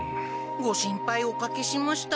ご心配おかけしました。